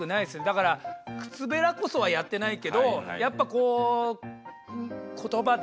だから靴べらこそはやってないけどやっぱこう言葉で。